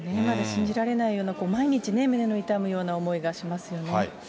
まだ信じられないような、毎日ね、胸の痛むような思いがしますよね。